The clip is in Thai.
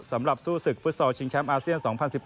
สำหรับสู้ศึกฟุตซอลชิงแชมป์อาเซียน๒๐๑๘